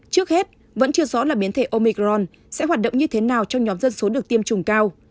trước hết vẫn chưa rõ là biến thể omicron sẽ hoạt động như thế nào trong nhóm dân số được tiêm chủng cao